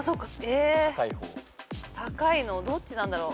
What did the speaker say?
高いのどっちなんだろう。